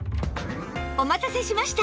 お待たせしました